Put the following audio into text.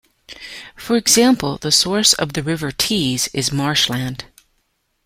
For example, the source of the River Tees is marshland.